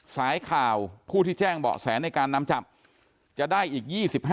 สายข่าวผู้ที่แจ้งเบาะแสในการนำจับจะได้อีก๒๕